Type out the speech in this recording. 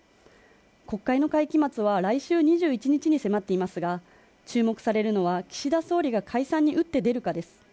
国会の会期末は来週２１日に迫っていますが、注目されるのは岸田総理が解散に打って出るかです。